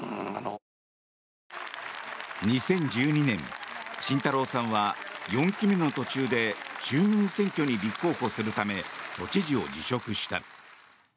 ２０１２年慎太郎さんは４期目の途中で衆議院選挙に立候補するため都知事を辞職した。